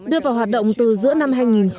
đưa vào hoạt động từ giữa năm hai nghìn hai mươi hai